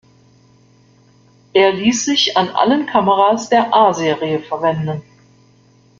Er ließ sich an allen Kameras der A-Serie verwenden.